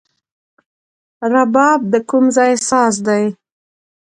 رباب د کوم ځای ساز دی؟